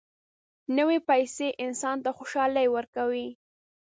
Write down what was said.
نوې پیسې انسان ته خوشالي ورکوي